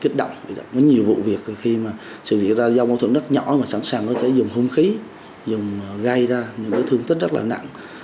có nhiều vụ việc khi mà sự việc ra do mẫu thuận rất nhỏ mà sẵn sàng có thể dùng không khí dùng gây ra những bức thương tích rất là nặng